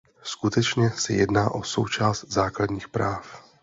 Skutečně se jedná o součást základních práv.